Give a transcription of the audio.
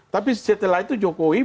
tapi setelah itu jokowi